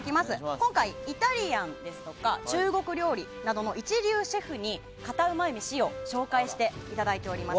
今回、イタリアンですとか中国料理などの一流シェフに、カタうまい飯を紹介していただいております。